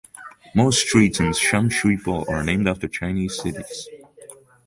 Most streets in Sham Shui Po are named after Chinese cities.